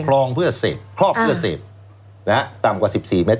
คลองเพื่อเสพครอบเพื่อเสพนะฮะต่ำกว่า๑๔เมตร